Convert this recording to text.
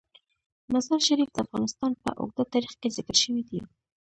مزارشریف د افغانستان په اوږده تاریخ کې ذکر شوی دی.